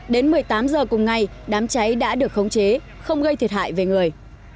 đến một mươi tám h cùng ngày đám cháy đã được khống chế không gây thiệt hại về người